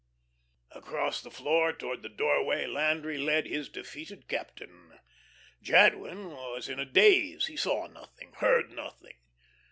Across the floor towards the doorway Landry led his defeated captain. Jadwin was in a daze, he saw nothing, heard nothing.